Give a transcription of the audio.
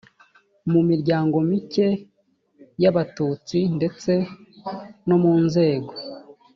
mu miryango mike y abatutsi ndetse no mu nzego